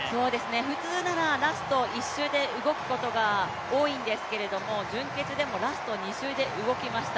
普通ならラスト１周で動くことが多いんですけれども準決でもラスト２周で動きました。